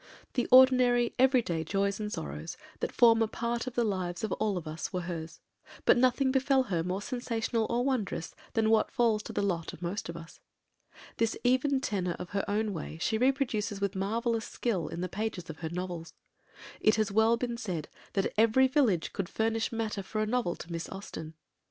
The ordinary, everyday joys and sorrows that form a part of the lives of all of us, were hers; but nothing befell her more sensational or wondrous than what falls to the lot of most of us. This even tenor of her own way she reproduces with marvellous skill in the pages of her novels. It has been well said that "every village could furnish matter for a novel to Miss Austen."